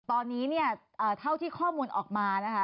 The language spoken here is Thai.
ตอนนี้เท่าที่ข้อมูลออกมา